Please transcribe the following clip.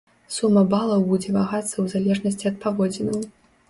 Сума балаў будзе вагацца ў залежнасці ад паводзінаў.